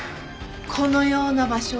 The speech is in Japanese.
「このような場所を」